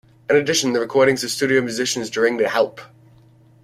In addition, the recordings of studio musicians during the Help!